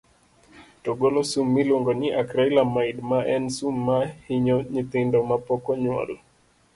to ogolo sum miluongo ni Acrylamide, ma en sum ma hinyo nyithindo mapok onyuol.